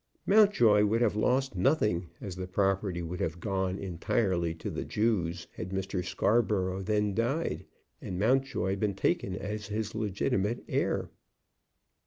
Mountjoy would have lost nothing, as the property would have gone entirely to the Jews had Mr. Scarborough then died, and Mountjoy been taken as his legitimate heir.